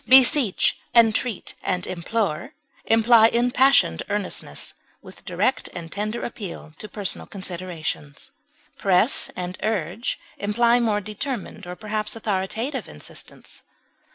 Beseech, entreat, and implore imply impassioned earnestness, with direct and tender appeal to personal considerations. Press and urge imply more determined or perhaps authoritative insistence.